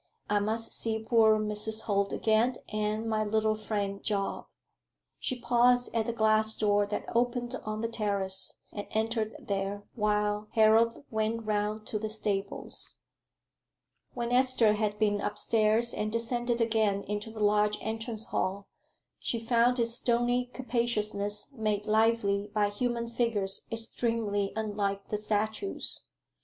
I must see poor Mrs. Holt again, and my little friend Job." She paused at the glass door that opened on the terrace, and entered there, while Harold went round to the stables. When Esther had been up stairs and descended again into the large entrance hall, she found its stony capaciousness made lively by human figures extremely unlike the statues.